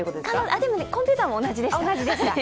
でもコンピュータも同じでした。